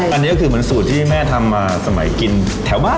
อันนี้ก็คือเหมือนสูตรที่แม่ทำมาสมัยกินแถวบ้าน